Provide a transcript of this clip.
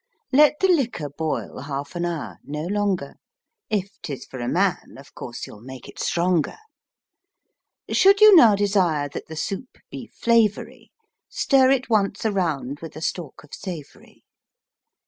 *' Let the liquor boil Half an hour, no longer, (If 'tis for a man Of course you'll make it stronger). Should you now desire That the soup be flavoury, Stir it once around. With a stalk of savoury.